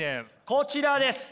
こちらです！